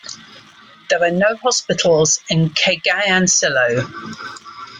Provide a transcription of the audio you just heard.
There are no hospitals in Cagayancillo.